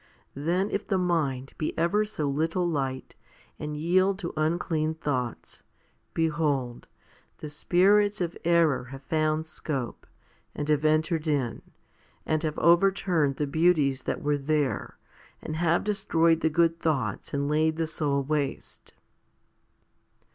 Then if the mind be ever so little light, and yield to unclean thoughts, behold, the spirits of error have found scope, and have entered in, and have overturned the beauties that were there, and have destroyed the good thoughts and laid the soul waste.